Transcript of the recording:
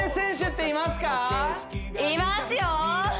いますよ！